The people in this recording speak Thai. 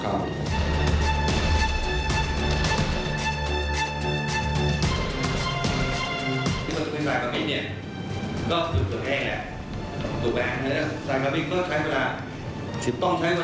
เพราะเขาแค่เขาตกมาแล้ว๕๖๐มิตรเนี่ยก็แย่อีกแล้ว